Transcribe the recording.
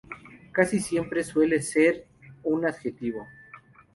Casi siempre suele ser un adjetivo.